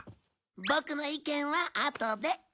ボクの意見はあとで。